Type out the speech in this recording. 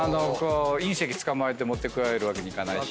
隕石つかまえて持って帰るわけにいかないし。